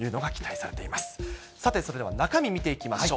さて、それでは中身見ていきましょう。